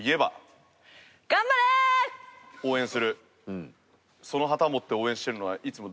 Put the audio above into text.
応援する？